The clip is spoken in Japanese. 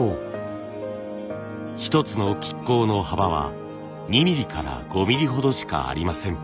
一つの亀甲の幅は２ミリから５ミリほどしかありません。